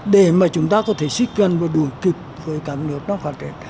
để mà chúng ta có thể xích gần và đuổi kịp với các nước đang phát triển